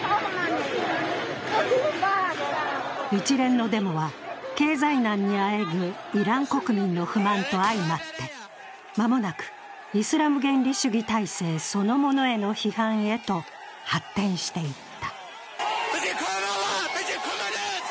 一連のデモは経済難にあえぐイラン国民の不満と相まって、間もなくイスラム原理主義体制そのものへと批判へと発展していった。